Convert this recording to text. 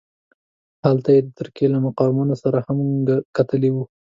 هلته یې د ترکیې له مقاماتو سره هم کتلي وه.